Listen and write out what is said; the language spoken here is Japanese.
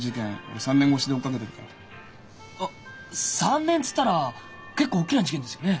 あっ３年っつったら結構大きな事件ですよね？